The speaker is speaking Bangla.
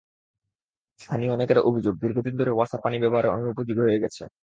স্থানীয় অনেকের অভিযোগ, দীর্ঘদিন ধরে ওয়াসার পানি ব্যবহারের অনুপযোগী হয়ে গেছে।